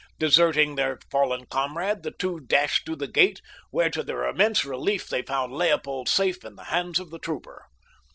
Deserting their fallen comrade the two dashed through the gate, where to their immense relief they found Leopold safe in the hands of the trooper.